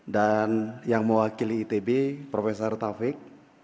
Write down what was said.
dan yang mewakili itb profesor taufik